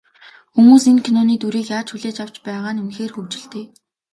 Хүмүүс энэ киноны дүрийг яаж хүлээж авч байгаа нь үнэхээр хөгжилтэй.